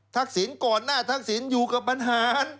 ทักศิลป์ก่อนหน้าทักศิลป์อยู่กับอันหาร